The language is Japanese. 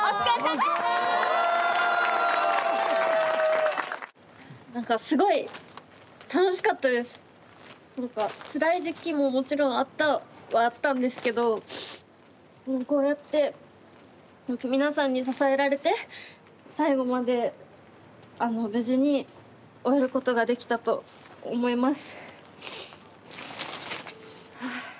つらい時期も、もちろんあったはあったんですけどこうやって皆さんに支えられて最後まで無事に終わることができたと思います。